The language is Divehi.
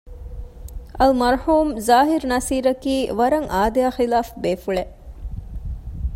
އަލްމަރްޙޫމް ޒާހިރު ނަޞީރަކީ ވަރަށް އާދަޔާ ޚިލާފު ބޭފުޅެއް